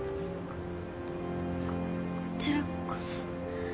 こここちらこそ。